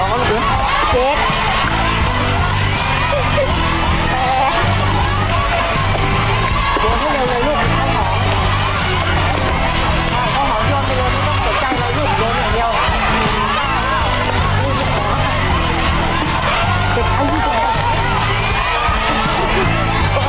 เห็นเหรอครับทุกคน